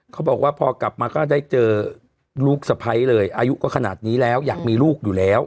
เขาบอกว่าพอกลับมาก็ได้เจอลูกสะพ้ายเลยอายุก็ขนาดนี้แล้วอยากมีลูกอยู่แล้ว